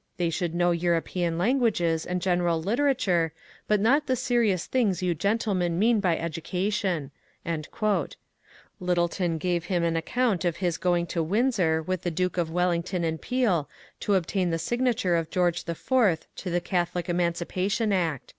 They shoald know European languages and general literature, but not the serious things you gentlemen mean by education." Lyttleton gave him an account of his going to Windsor with the Duke of Wellington and Peel to obtain the signature of George lY to the Catholic Emanci pation Act.